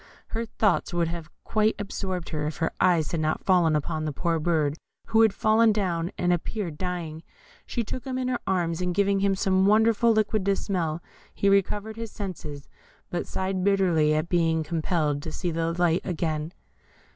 Her thoughts would have quite absorbed her if her eyes had not fallen upon the poor bird, who had fallen down, and appeared dying. She took him in her arms, and giving him some wonderful liquid to smell, he recovered his senses, but sighed bitterly at being compelled to see the light again.